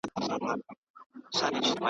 په غومبر یې وه سینه را پړسولې .